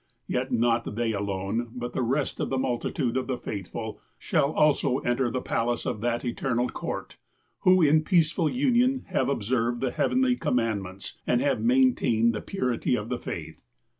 Yet not they alone, but the rest of the multitude of the faith ful shall also enter the palace of that eternal court, who in peaceful union have observed the heavenly commandments, and have maintained the purity of the faith.